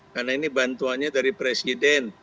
karena ini bantuannya dari presiden